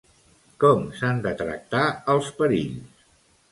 Com s'han de tractar els perills?